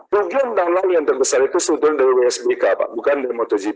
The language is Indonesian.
rugi undang undang yang terbesar itu sudut dari wsbk bukan dari motogp